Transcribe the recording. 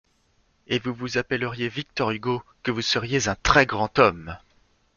Et vous vous appelleriez Victor Hugo, que vous seriez un très grand homme…